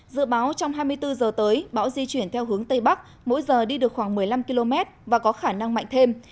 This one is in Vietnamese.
dự báo trong hai mươi bốn h tới bão di chuyển theo hướng tây bắc mỗi giờ đi được khoảng một mươi năm km và có khả năng mạnh thêm